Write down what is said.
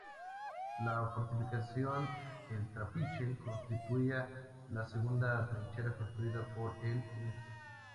La fortificación "El Trapiche" constituía la Segunda trinchera construida por el Ing.